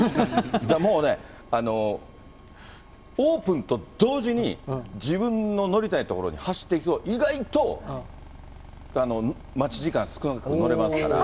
もうね、オープンと同時に自分の乗りたいところに走って、意外と待ち時間少なくて乗れますから。